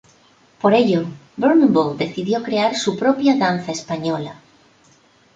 Por ello, Bournonville decidió crear su propia danza española.